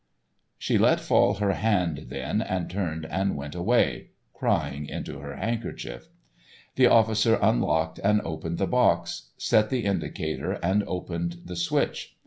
She let fall her hand then and turned and went away, crying into her handkerchief. The officer unlocked and opened the box, set the indicator and opened the switch.